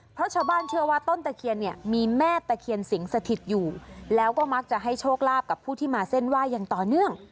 เพราะชาวบ้านเชื่อว่าต้นตะเคียนเนี่ยมีแม่ตะเคียนสิงสถิตอยู่แล้วก็มักจะให้โชคลาภกับผู้ที่มาเส้นไหว้อย่างต่อเนื่อง